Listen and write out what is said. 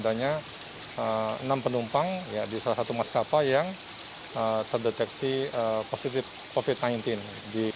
adanya enam penumpang di salah satu maskapai yang terdeteksi positif covid sembilan belas